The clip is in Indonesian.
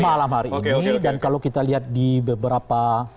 malam hari ini dan kalau kita lihat di beberapa